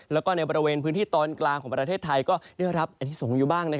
แล้วก็ในบริเวณพื้นที่ตอนกลางของประเทศไทยก็ได้รับอธิสงฆ์อยู่บ้าง